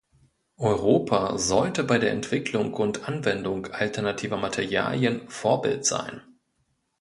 Europa sollte bei der Entwicklung und Anwendung alternativer Materialien Vorbild sein.